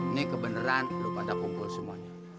ini kebeneran lo pada kumpul semuanya